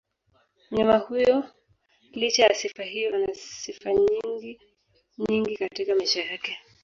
Mnyama huyo licha ya sifa hiyo anasifa nyingi nyingi katika maisha yake